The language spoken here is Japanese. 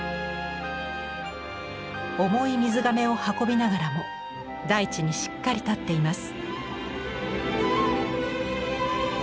重い水がめを運びながらも大地にしっかり立っています。